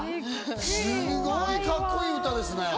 すごいカッコいい歌ですね。